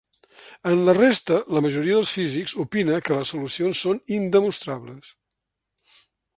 En la resta, la majoria dels físics opina que les solucions són indemostrables.